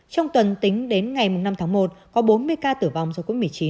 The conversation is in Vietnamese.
trong tuần tính đến ngày năm tháng một có bốn mươi ca tử vong do covid một mươi chín